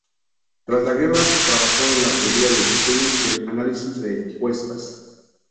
Tras la guerra trabajó en la teoría del diseño y análisis de encuestas.